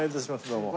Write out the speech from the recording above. どうも。